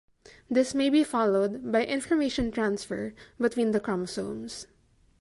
This may be followed by information transfer between the chromosomes.